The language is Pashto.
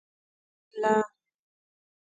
🍌کېله